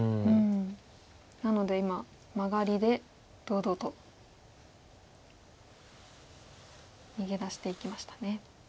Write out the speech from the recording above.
なので今マガリで堂々と逃げ出していきましたね。